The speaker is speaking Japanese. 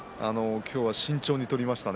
今日は慎重に取りましたね。